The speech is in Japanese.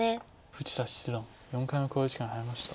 富士田七段４回目の考慮時間に入りました。